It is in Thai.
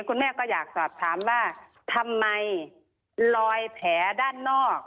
คุณแม่ก็อยากสอบถามว่าทำไมรอยแผลด้านนอก